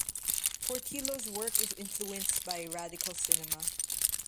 Portillo's work is influenced by radical cinema.